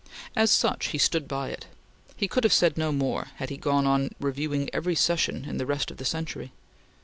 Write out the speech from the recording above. As such, he stood by it. He could have said no more, had he gone on reviewing every session in the rest of the century.